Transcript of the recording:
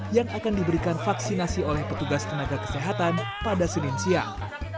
yang akan diberikan vaksinasi oleh petugas tenaga kesehatan pada senin siang